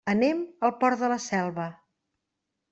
Anem al Port de la Selva.